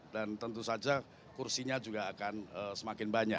dan tentu saja kursinya juga akan semakin banyak